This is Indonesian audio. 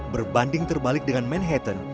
berbanding terbalik dengan manhattan